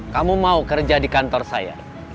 kamu mau kerja di kantor saya